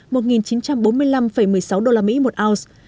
một chín trăm bốn mươi năm một mươi sáu đô la mỹ một ounce